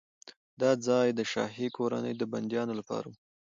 دا ځای د شاهي کورنۍ د بندیانو لپاره و.